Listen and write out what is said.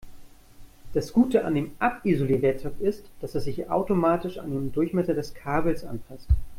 Das Gute an dem Abisolierwerkzeug ist, dass es sich automatisch an den Durchmesser des Kabels anpasst.